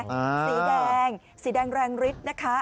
สีแดงสีแดงแรงฤทธิ์นะคะ